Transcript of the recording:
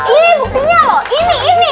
ini buktinya loh ini ini ini